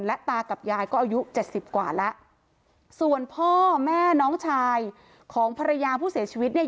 และตากับยายก็อายุเจ็ดสิบกว่าแล้วส่วนพ่อแม่น้องชายของภรรยาผู้เสียชีวิตเนี่ย